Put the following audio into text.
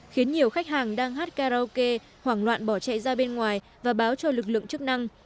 khiến nhiều khách hàng đang hát karaoke hoảng loạn bỏ chạy ra bên ngoài và báo cho lực lượng chức năng